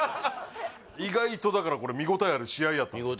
意外とだからこれ見応えある試合やったんですよ